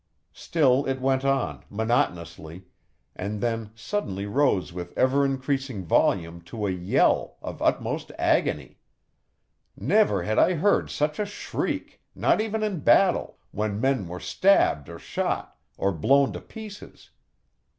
Still it went on, monotonously, and then suddenly rose with ever increasing volume to a yell of utmost agony. Never had I heard such a shriek, not even in battle, when men were stabbed or shot, or blown to pieces.